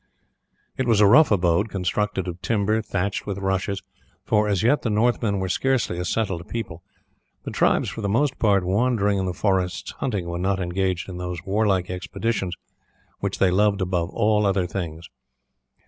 It was a rough abode constructed of timber, thatched with rushes, for as yet the Northmen were scarcely a settled people, the tribes for the most part wandering in the forests hunting when not engaged in those warlike expeditions which they loved above all other things.